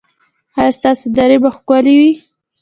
ایا ستاسو درې به ښکلې وي؟